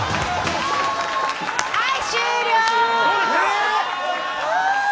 はい終了！